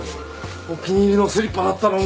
お気に入りのスリッパだったのに。